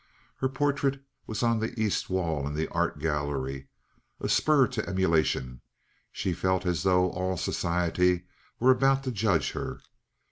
Her portrait was on the east wall in the art gallery, a spur to emulation; she felt as though all society were about to judge her.